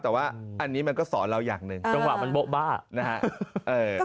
แต่ว่าอันนี้มันก็สอนเราอย่างหนึ่งจังหวะมันโบ๊บ้านะฮะ